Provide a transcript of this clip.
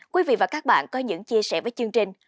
quý vị và các bạn có những chia sẻ với chương trình